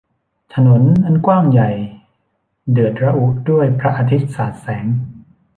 ถนนอันกว้างใหญ่ เดือดระอุด้วยพระอาทิตย์สาดแสง